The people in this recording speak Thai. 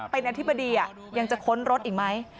เป็นอธิบดียังจะค้นรถอีกไหม